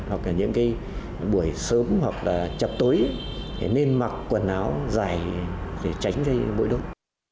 hoặc những buổi sớm hoặc chập tối nên mặc quần áo dài để tránh mũi đốt